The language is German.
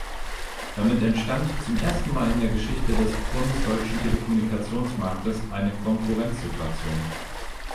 Damit entstand zum ersten Mal in der Geschichte des bundesdeutschen Telekommunikationsmarktes eine Konkurrenzsituation.